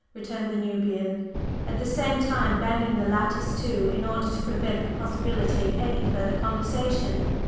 _" returned the Nubian, at the same time banging the lattice to in order to prevent the possibility of any further conversation.